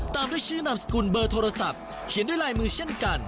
ตามด้วยชื่อนามสกุลเบอร์โทรศัพท์เขียนด้วยลายมือเช่นกัน